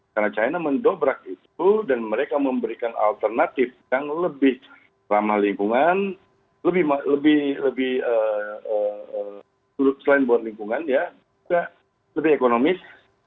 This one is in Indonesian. karena china mendobrak itu dan mereka memberikan alternatif yang lebih selama lingkungan lebih selain buat lingkungan ya lebih ekonomis